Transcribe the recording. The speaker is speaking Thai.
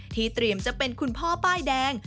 เตรียมจะเป็นคุณพ่อป้ายแดง